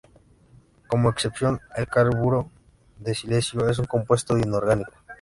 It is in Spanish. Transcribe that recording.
Como excepción, el carburo de silicio es un compuesto inorgánico.